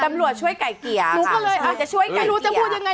กำลัวช่วยไก่เกลียกำลังจะช่วยไก่เกลียไม่รู้จะพูดยังไง